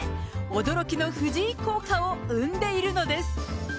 驚きの藤井効果を生んでいるのです。